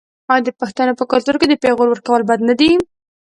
آیا د پښتنو په کلتور کې د پیغور ورکول بد نه دي؟